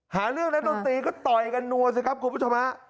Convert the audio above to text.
หาเรื่องนักดนตรีก็ต่อยกันนัวสิครับคุณผู้ชมฮะ